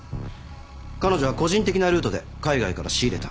彼女は個人的なルートで海外から仕入れた。